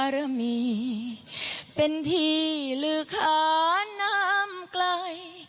เริ่มมีเป็นที่ลือขาน้ำไกล